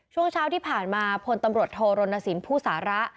ช่วงเช้าที่ผ่านมาพลตำรวจโทรณสินผู้สาระ